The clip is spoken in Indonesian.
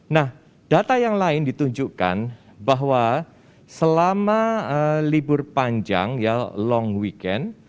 nah data yang lain ditunjukkan bahwa selama libur panjang ya long weekend